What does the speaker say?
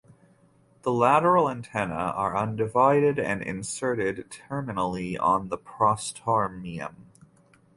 The lateral antennae are undivided and inserted terminally on the prostomium.